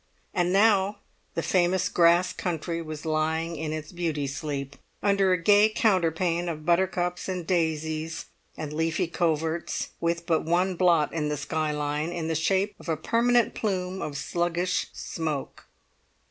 And now the famous grass country was lying in its beauty sleep, under a gay counterpane of buttercups and daisies, and leafy coverts, with but one blot in the sky line, in the shape of a permanent plume of sluggish smoke.